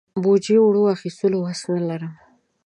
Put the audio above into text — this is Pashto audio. بوجۍ اوړو اخستلو وس نه لرم.